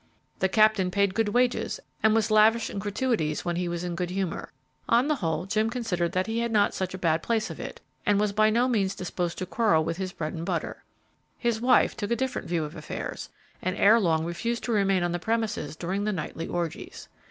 The Captain paid good wages, and was lavish in gratuities when he was in good humor. On the whole Jim considered that he had not such a bad place of it, and was by no means disposed to quarrel with his bread and butter. His wife took a different view of affairs, and ere long refused to remain on the premises during the nightly orgies.